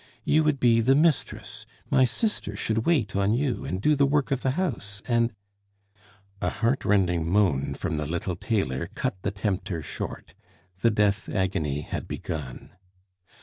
You would be the mistress my sister should wait on you and do the work of the house, and " A heartrending moan from the little tailor cut the tempter short; the death agony had begun.